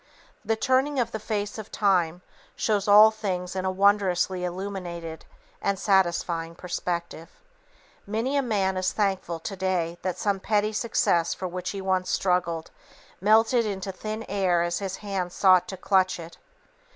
The turning of the face of Time shows all things in a wondrously illuminated and satisfying perspective. Many a man is thankful to day that some petty success for which he once struggled, melted into thin air as his hand sought to clutch it.